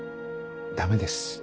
ダメです。